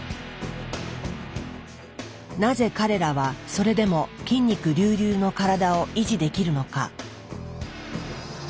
なぜ彼らはそれでも筋肉隆々の体を維持できるのか？